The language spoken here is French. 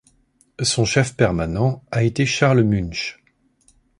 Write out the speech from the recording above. Son chef permanent a été Charles Münch.